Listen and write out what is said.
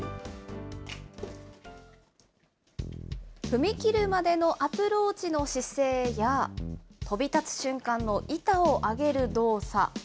踏み切るまでのアプローチの姿勢や、飛び立つ瞬間の板を上げる動作。